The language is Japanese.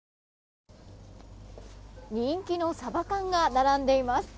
人気のサバ缶が並んでいます。